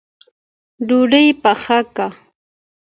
ډوډۍ پخه که